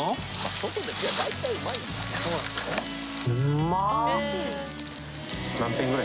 外で食えば大体うまい。